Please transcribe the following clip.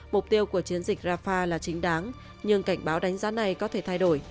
mục tiêu của chiến dịch rafah là chính đáng nhưng cảnh báo đánh giá này có thể thay đổi